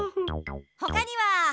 ほかには？